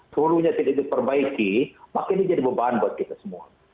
seluruhnya tidak diperbaiki maka ini jadi beban buat kita semua